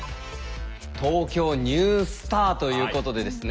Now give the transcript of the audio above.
「ＴＯＫＹＯニュースター」ということでですね